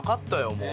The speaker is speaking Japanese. もう。